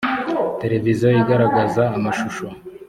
televiziyo igaragaza amashusho .